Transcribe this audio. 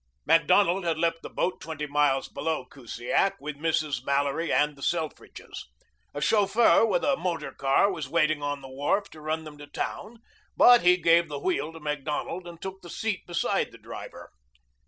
Macdonald left the boat twenty miles below Kusiak with Mrs. Mallory and the Selfridges. A chauffeur with a motor car was waiting on the wharf to run them to town, but he gave the wheel to Macdonald and took the seat beside the driver.